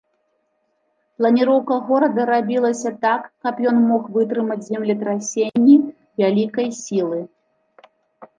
Планіроўка горада рабілася так, каб ён мог вытрымаць землетрасенні вялікай сілы.